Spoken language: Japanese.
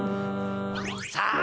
さあ